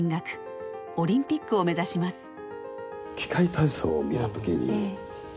オリンピックを目指します。